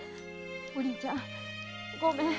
お凛ちゃんごめん。